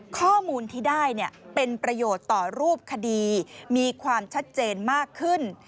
ข้อมูลที่ได้เป็นประโยชน์ต่อรูปคดีมีความชัดเจนมากขึ้น